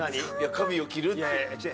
髪を切るって。